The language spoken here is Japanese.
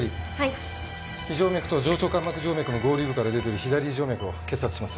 脾静脈と上腸間膜静脈の合流部から出ている左胃静脈を結紮します。